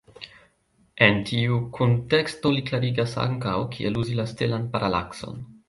En tiu kunteksto li klarigas ankaŭ, kiel uzi la stelan paralakson.